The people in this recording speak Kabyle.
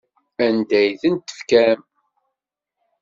Anda ay tent-tefkam?